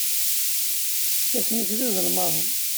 Ifassen-is d iẓelmaḍen.